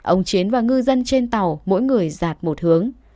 ông chiến và ngư dân trên tàu mỗi người giạt một hướng